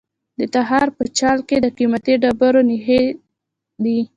د تخار په چال کې د قیمتي ډبرو نښې دي.